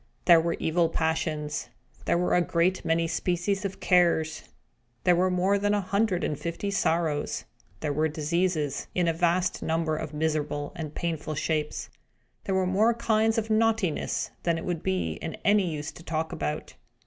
There were evil Passions; there were a great many species of Cares; there were more than a hundred and fifty Sorrows; there were Diseases, in a vast number of miserable and painful shapes; there were more kinds of Naughtiness than it would be of any use to talk about.